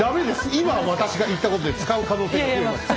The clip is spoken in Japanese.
今私が言ったことで使う可能性が増えました。